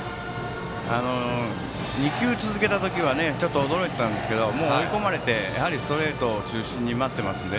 ２球続けた時はちょっと驚いたんですがもう追い込まれてストレート中心に待っていますので。